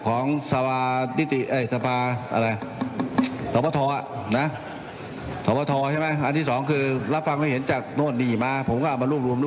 ขออนุญาตท่านท่านครับ